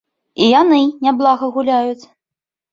І яны няблага гуляюць!